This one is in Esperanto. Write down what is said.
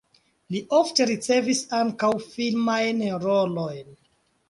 Li ofte ricevis ankaŭ filmajn rolojn.